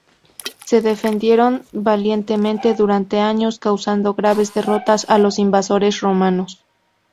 Se defendieron valientemente durante años, causando graves derrotas a los invasores romanos.